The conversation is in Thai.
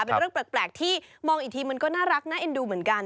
เป็นเรื่องแปลกที่มองอีกทีมันก็น่ารักน่าเอ็นดูเหมือนกัน